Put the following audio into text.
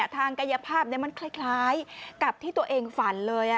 ทางกายภาพมันคล้ายกับที่ตัวเองฝันเลย